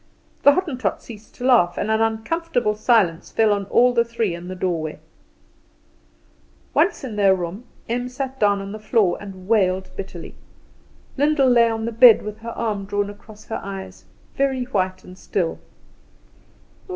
The Hottentot ceased to laugh, and an uncomfortable silence fell on all the three in the doorway. Once in their room, Em sat down on the floor and wailed bitterly. Lyndall lay on the bed with her arm drawn across her eyes, very white and still.